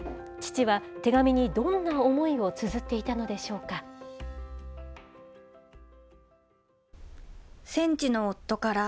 父は手紙にどんな思いをつづっていたんでしょうか。